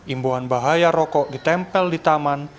imbuan bahaya rokok ditempel di taman